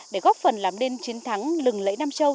để góp phần làm nên chiến thắng lừng lẫy nam châu